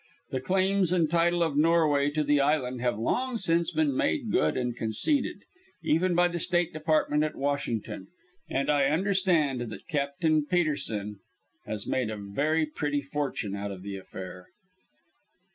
The claims and title of Norway to the island have long since been made good and conceded even by the State Department at Washington and I understand that Captain Petersen has made a very pretty fortune out of the affair.